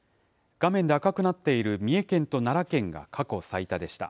画面で赤くなっている三重県と奈良県が過去最多でした。